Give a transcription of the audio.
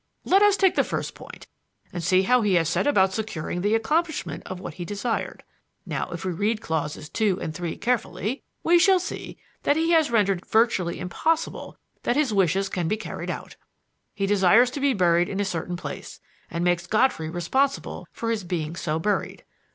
Let us take the first point and see how he has set about securing the accomplishment of what he desired. Now if we read clauses two and three carefully, we shall see that he has rendered it virtually impossible that his wishes can be carried out. He desires to be buried in a certain place and makes Godfrey responsible for his being so buried.